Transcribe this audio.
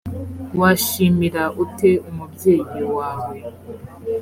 washimira ute umubyeyi wawe